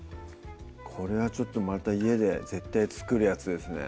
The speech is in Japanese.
これはちょっとまた家で絶対作るやつですね